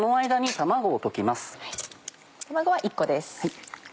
卵は１個です。